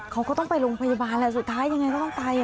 เขาก็ต้องไปโรงพยาบาลแหละสุดท้ายยังไงก็ต้องไป